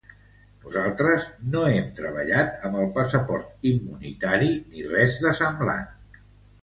Nosaltres no hem treballat amb el passaport immunitari ni res de semblant.